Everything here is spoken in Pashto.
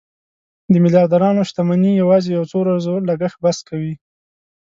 د میلیاردرانو شتمني یوازې څو ورځو لګښت بس کوي.